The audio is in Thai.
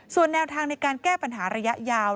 ส่วนแนวทางในการแก้ปัญหาระยะยาว